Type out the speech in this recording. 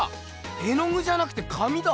絵のぐじゃなくて紙だ！